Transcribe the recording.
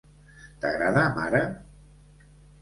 T'agrada, mare?